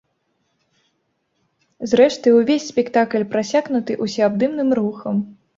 Зрэшты, увесь спектакль прасякнуты ўсеабдымным рухам.